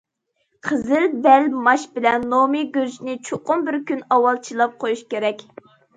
قىزىل بەل ماش بىلەن نومى گۈرۈچىنى چوقۇم بىر كۈن ئاۋۋال چىلاپ قويۇش كېرەك.